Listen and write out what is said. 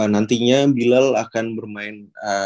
nantinya bilal akan bermain